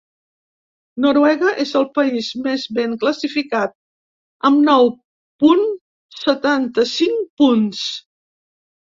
Noruega és el país més ben classificat, amb nou punt setanta-cinc punts.